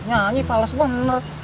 nyanyi pales bener